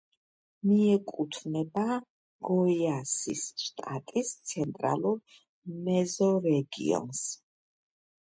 მიეკუთვნება გოიასის შტატის ცენტრალურ მეზორეგიონს.